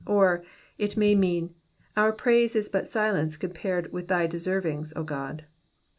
Or, it may mean, our praise is but silence compared with thy eservings, O God.